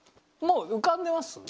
もう浮かんでます？